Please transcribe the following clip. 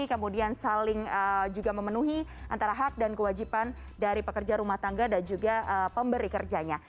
kemudian saling juga memenuhi antara hak dan kewajiban dari pekerja rumah tangga dan juga pemberi kerjanya